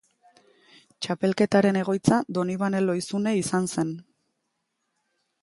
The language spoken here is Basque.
Txapelketaren egoitza Donibane Lohizune izan zen.